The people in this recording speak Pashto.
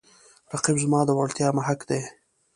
رقیب زما د وړتیاو محک دی